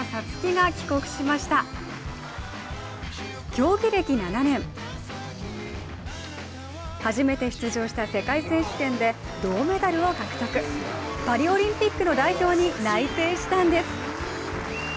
競技歴７年、初めて出場した世界選手権で銅メダルを獲得、パリオリンピックの代表に内定したんです。